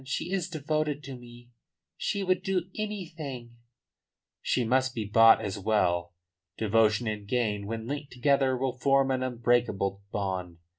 She is devoted to me; she would do anything " "She must be bought as well. Devotion and gain when linked together will form an unbreakable bond.